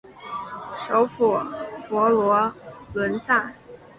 首府佛罗伦萨。